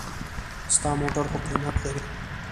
ستا موټر خو قېمت لري.